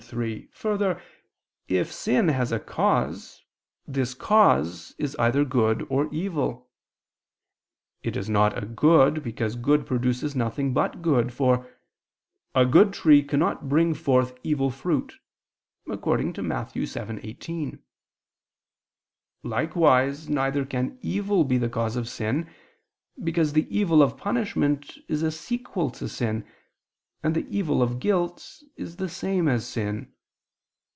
3: Further, if sin has a cause, this cause is either good or evil. It is not a good, because good produces nothing but good, for "a good tree cannot bring forth evil fruit" (Matt. 7:18). Likewise neither can evil be the cause of sin, because the evil of punishment is a sequel to sin, and the evil of guilt is the same as sin.